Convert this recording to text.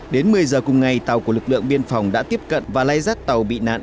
đến một mươi giờ cùng ngày tàu của lực lượng biên phòng đã tiếp cận và lai rắt tàu bị nạn